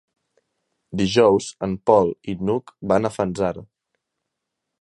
Dijous en Pol i n'Hug van a Fanzara.